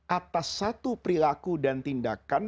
atas satu perilaku dan tindakan